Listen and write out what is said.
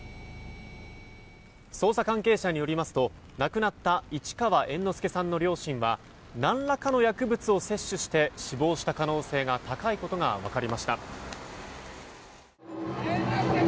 捜査関係者によりますと亡くなった市川猿之助さんの両親は何らかの薬物を摂取して死亡した可能性が高いことが分かりました。